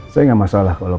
saya gak masalah kalau